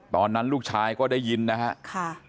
ตอนนั้นลูกชายก็ได้ยินนะครับ